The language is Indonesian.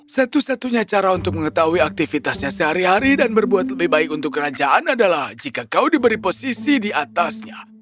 satu satunya cara untuk mengetahui aktivitasnya sehari hari dan berbuat lebih baik untuk kerajaan adalah jika kau diberi posisi di atasnya